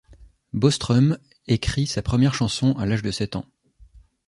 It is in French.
Boström écrit sa première chanson à l'âge de sept ans.